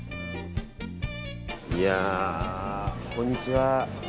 いやあ、こんにちは。